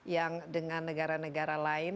yang dengan negara negara lain